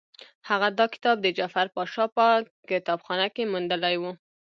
هغه دا کتاب د جعفر پاشا په کتابخانه کې موندلی وو.